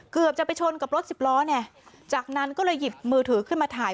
เกือบจะไปชนกับรถสิบล้อเนี่ยจากนั้นก็เลยหยิบมือถือขึ้นมาถ่าย